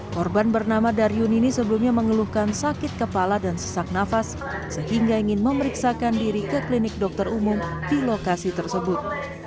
korban bernama daryun ini sebelumnya mengeluhkan sakit kepala dan sesak nafas sehingga ingin memeriksakan diri ke klinik dokter umum di lokasi tersebut